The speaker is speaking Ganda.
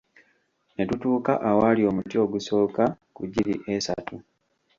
Ne tutuuka awaali omuti ogusooka ku giri esatu.